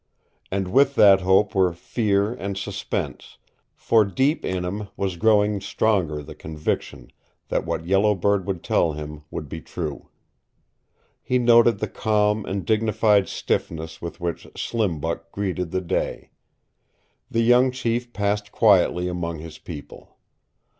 And with that hope were fear and suspense, for deep in him was growing stronger the conviction that what Yellow Bird would tell him would be true. He noted the calm and dignified stiffness with which Slim Buck greeted the day. The young chief passed quietly among his people.